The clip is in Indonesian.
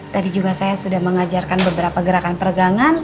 tadi juga saya sudah mengajarkan beberapa gerakan peregangan